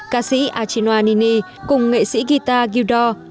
ca sĩ achinoa nini cùng nghệ sĩ guitar gildor